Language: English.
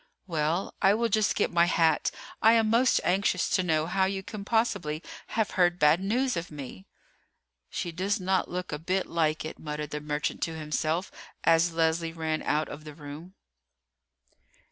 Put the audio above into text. "Well, I will just get my hat. I am most anxious to know how you can possibly have heard bad news of me." "She does not look a bit like it," muttered the merchant to himself as Leslie ran out of the room.